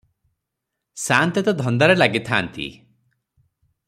ସାଆନ୍ତେ ତ ଧନ୍ଦାରେ ଲାଗିଥାନ୍ତି ।